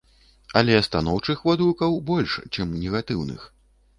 Але станоўчых водгукаў больш, чым негатыўных.